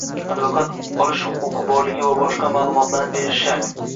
advokat olish huquqi borligi va boshqa ma’lumotlarni berishi shart.